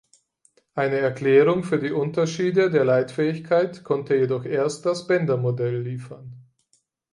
Eine Erklärung für die Unterschiede der Leitfähigkeit konnte jedoch erst das Bändermodell liefern.